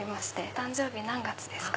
誕生日何月ですか？